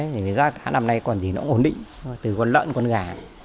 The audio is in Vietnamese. thế thì giá cá lắm nay còn gì nó cũng ổn định từ con lợn con gà